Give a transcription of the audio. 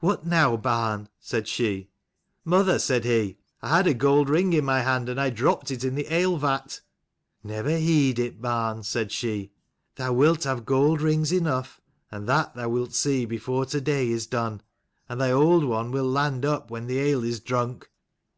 "What now, barn?" said she. " Mother," said he, " I had a gold ring in my hand, and I dropped it in the ale vat." "Never heed it, barn" said she: "thou wilt have gold rings enough, and that thou wilt see before to day is done. And thy old one will land up when the ale is drunk."